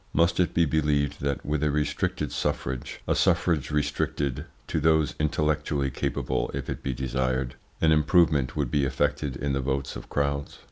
Must it be believed that with a restricted suffrage a suffrage restricted to those intellectually capable if it be desired an improvement would be effected in the votes of crowds?